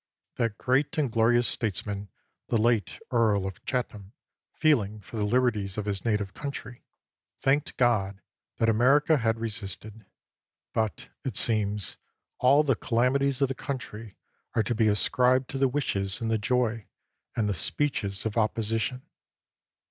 That great and glorious statesman, the late Earl of Chathan^, feeling for the liberties of his native country, thanked God that America had resisted. But, it seems, "all the calamities of the country are to be ascribed to the wishes, and the joy, and the speeches of Opposition."